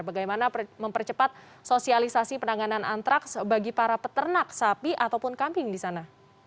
bagaimana mempercepat sosialisasi penanganan antraks bagi para peternak sapi ataupun kambing di sana